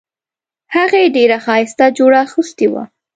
هغې ډیره ښایسته جوړه اغوستې وه